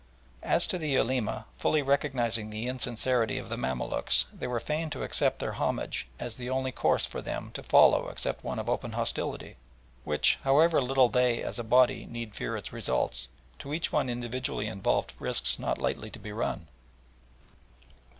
As to the Ulema, fully recognising the insincerity of the Mamaluks, they were fain to accept their homage as the only course for them to follow except one of open hostility, which, however little they, as a body, need fear its results, to each one individually involved risks not lightly to be run.